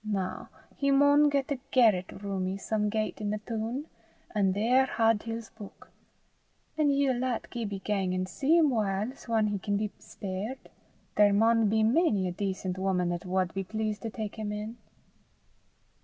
"Na, he maun get a garret roomie some gait i' the toon, an' there haud till 's buik; an ye'll lat Gibbie gang an' see him whiles whan he can be spared. There maun be many a dacent wuman 'at wad be pleased to tak him in."